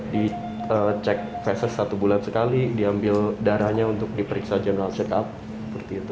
dicek fases satu bulan sekali diambil darahnya untuk diperiksa general check up